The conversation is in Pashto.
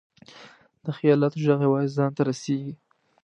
د خیالاتو ږغ یوازې ځان ته رسېږي.